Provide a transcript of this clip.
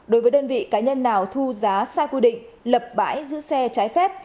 đối với đơn vị cá nhân nào thu giá sai quy định lập bãi giữ xe trái phép